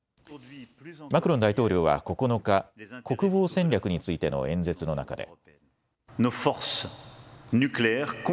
マクロン大統領は９日、国防戦略についての演説の中で。